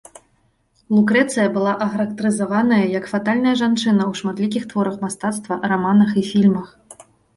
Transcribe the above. Лукрэцыя была ахарактарызаваная як фатальная жанчына ў шматлікіх творах мастацтва, раманах і фільмах.